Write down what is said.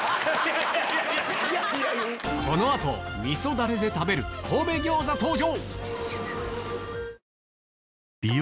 この後味噌ダレで食べる神戸餃子登場！